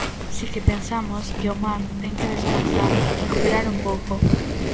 Si que pensamos que o mar ten que descansar, recuperar un pouco.